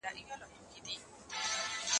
ستا دي غاړه وي په ټوله قام کي لکه